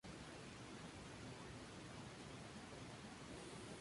Ha sido jefa de la sección de cooperativas en la Junta de Comunidades.